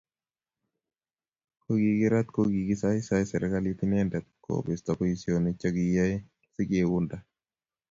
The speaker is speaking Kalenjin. kukikirat kokiisaisai serikalit inendet kobisto boisinik che kiyoe che kiyoe sikeunda